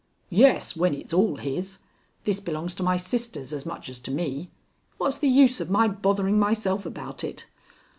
"Yes, when it's all his. This belongs to my sisters as much as to me. What's the use of my bothering myself about it?"